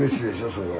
それは。